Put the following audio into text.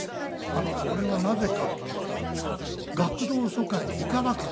俺はなぜかっていったら学童疎開に行かなかったんですよ。